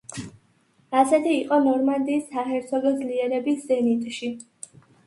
ასეთი იყო ნორმანდიის საჰერცოგო ძლიერების ზენიტში.